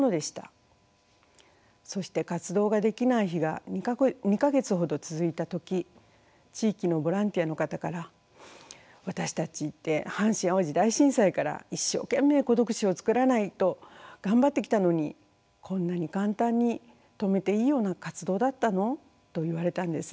そして活動ができない日が２か月ほど続いた時地域のボランティアの方から「私たちって阪神・淡路大震災から一生懸命孤独死を作らないと頑張ってきたのにこんなに簡単に止めていいような活動だったの？」と言われたんです。